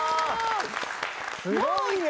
すごいね！